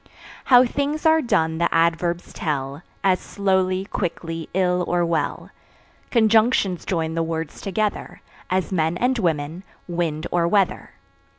How things are done the Adverbs tell As slowly, quickly, ill or well. Conjunctions join the words together As men and women, wind or weather.